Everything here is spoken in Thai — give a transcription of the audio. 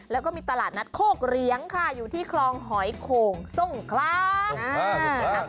แล้วก็มีตลาดนัดโคกเลี้ยงค่ะอยู่ที่คลองหอยโคงส่งครั้ง